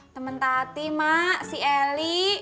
teman tati mak si eli